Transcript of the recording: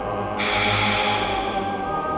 karena kita harus kembali ke tempat yang sama